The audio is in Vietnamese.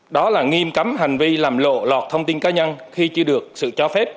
đó là nghiêm cấm hành vi làm lộ lọt thông tin cá nhân khi chưa được sự cho phép